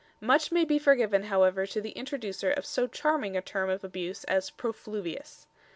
Much may be forgiven, however, to the introducer of so charming a term of abuse as "profluvious."